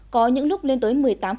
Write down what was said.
có những lúc lên tới một mươi tám